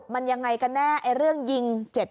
เพราะว่าที่พี่ไปดูมันเหมือนกับมันมีแค่๒รู